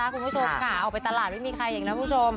คุณผู้ชมคะออกไปตลาดไม่มีใคร